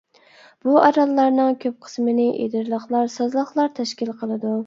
بۇ ئاراللارنىڭ كۆپ قىسمىنى ئېدىرلىقلار، سازلىقلار تەشكىل قىلىدۇ.